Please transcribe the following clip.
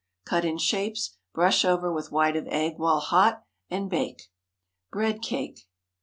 Cut in shapes, brush over with white of egg while hot, and bake. BREAD CAKE.